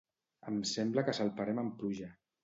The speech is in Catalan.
Em sembla que salparem amb pluja